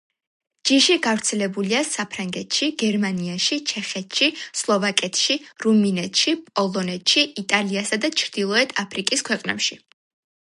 ჯიში გავრცელებულია საფრანგეთში, გერმანიაში, ჩეხეთში, სლოვაკეთში, რუმინეთში, პოლონეთში იტალიასა და ჩრდილოეთ აფრიკის ქვეყნებში.